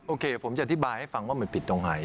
โอเคผมจะอธิบายให้ฟังว่ามันผิดตรงไหน